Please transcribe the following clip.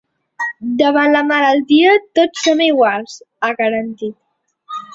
Davant la malaltia tots som iguals, ha garantit.